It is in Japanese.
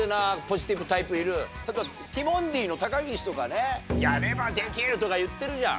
例えばティモンディの高岸とかね。とか言ってるじゃん。